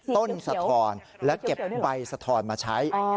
สะทอนและเก็บใบสะทอนมาใช้